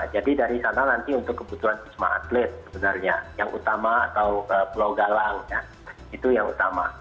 jadi dari sana nanti untuk kebutuhan pisma atlet sebenarnya yang utama atau pulau galang itu yang utama